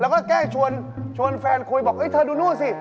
แล้วก็แก้ชวนแฟนคุยบอกเธอดูนู่นสิ